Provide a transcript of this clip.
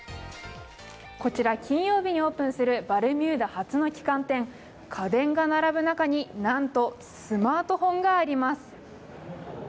こちら金曜日にオープンするバルミューダ初の旗艦店、家電が並ぶ中に、なんとスマートフォンがあります。